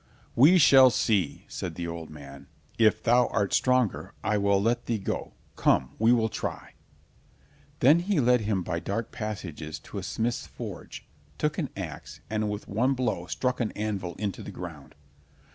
"We shall see," said the old man. "If thou art stronger, I will let thee go—come, we will try." Then he led him by dark passages to a smith's forge, took an ax, and with one blow struck an anvil into the ground.